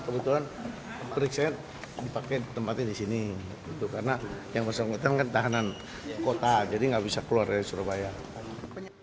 pemeriksaan dahlan iskan akan dijadwalkan ulang pada minggu depan